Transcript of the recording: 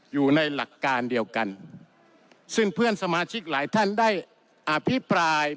อยู่ในหลักการเดียวกันซึ่งเพื่อนสมาชิกหลายท่านได้อภิปราย